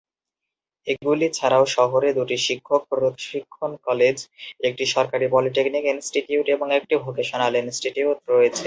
এগুলি ছাড়াও শহরে দুটি শিক্ষক প্রশিক্ষণ কলেজ, একটি সরকারি পলিটেকনিক ইনস্টিটিউট এবং একটি ভোকেশনাল ইনস্টিটিউট রয়েছে।